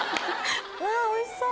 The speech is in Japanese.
うわっおいしそう。